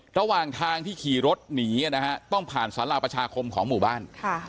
ระหว่างทางที่ขี่รถหนีนะฮะต้องผ่านสาราประชาคมของหมู่บ้าน